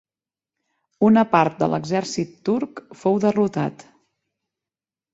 Una part de l'exèrcit turc fou derrotat.